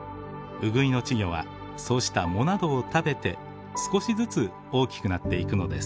ウグイの稚魚はそうした藻などを食べて少しずつ大きくなっていくのです。